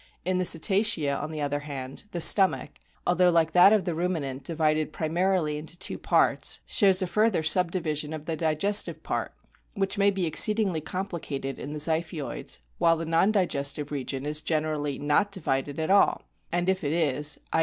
In the Cetacea, on the other hand, the stomach, although like that of the Ruminant divided primarily into two parts, shows a further subdivision of the digestive part which may be exceedingly complicated in the Ziphioids, while the non digestive region is generally not divided at all, and if it is (i.